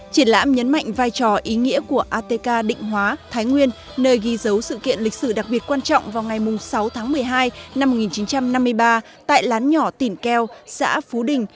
triển lãm nhấn mạnh vai trò ý nghĩa của atk định hóa thái nguyên nơi ghi dấu sự kiện lịch sử đặc biệt quan trọng vào ngày sáu tháng một mươi hai năm một nghìn chín trăm năm mươi ba tại lán nhỏ tỉnh keo xã phú đình